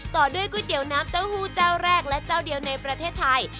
ต่อด้วยก๋วยเตี๋ยวน้ำเต้าหู้เจ้าแรกและเจ้าเดียวในประเทศไทย